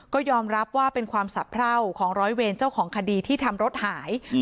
ก็ยอมรับว่าเป็นความสะเพราของร้อยเวรเจ้าของคดีที่ทำรถหาย